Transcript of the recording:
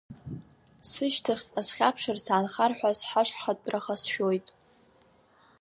Сышьҭахьҟа схьаԥшыр, саанхар ҳәа сҳашҳатәраха сшәоит.